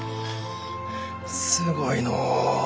すごいのう。